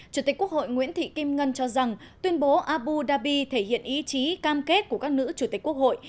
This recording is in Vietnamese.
chủ tịch quốc hội nguyễn thị kim ngân cho rằng tuyên bố abu dhabi thể hiện ý chí cam kết của các nữ chủ tịch quốc hội